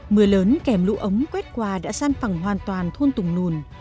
mưa lớn kèm lũ ống quét qua đã săn phẳng hoàn toàn thôn tùng nùn